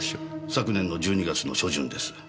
昨年の１２月の初旬です。